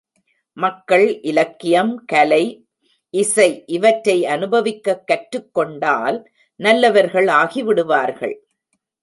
மக்கள், இலக்கியம், கலை, இசைஇவற்றை அனுபவிக்கக் கற்றுக் கொண்டால் நல்லவர்கள் ஆகிவிடுவார்கள்.